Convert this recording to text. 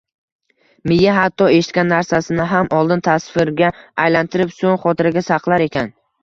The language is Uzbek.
Miya hatto eshitgan narsasini ham oldin tasvirga aylantirib, soʻng xotiraga saqlar ekan